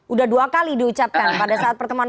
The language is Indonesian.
udah dua kali diucapkan pada saat pertemuan